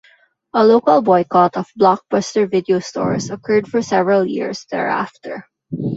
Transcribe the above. A local boycott of Blockbuster Video stores occurred for several years thereafter.